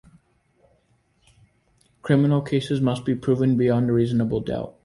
Criminal cases must be proven beyond a reasonable doubt.